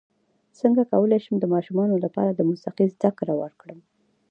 څنګه کولی شم د ماشومانو لپاره د موسیقۍ زدکړه ورکړم